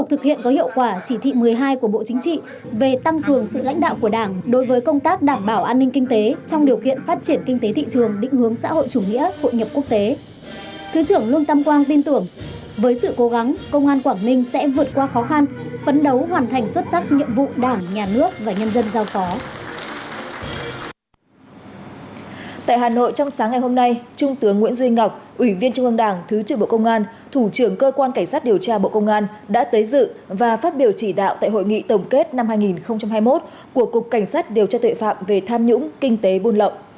ủy viên trung ương đảng thứ trưởng bộ công an thủ trưởng cơ quan cảnh sát điều tra bộ công an đã tới dự và phát biểu chỉ đạo tại hội nghị tổng kết năm hai nghìn hai mươi một của cục cảnh sát điều tra tội phạm về tham nhũng kinh tế buôn lậm